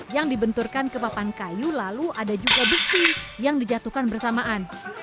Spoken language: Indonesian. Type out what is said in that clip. yang dibenturkan ke papan kayu lalu ada juga bukti yang dijatuhkan bersamaan